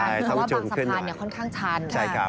เพราะว่าบางสะพานค่อนข้างชัน